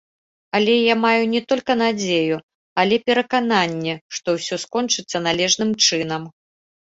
Але я маю не толькі надзею, але перакананне, што ўсё скончыцца належным чынам.